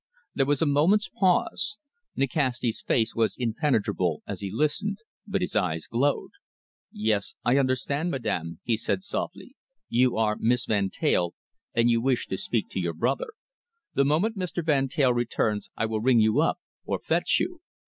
There was a moment's pause. Nikasti's face was impenetrable as he listened, but his eyes glowed. "Yes, I understand, madam," he said softly. "You are Miss Van Teyl, and you wish to speak to your brother. The moment Mr. Van Teyl returns I will ring you up or fetch you."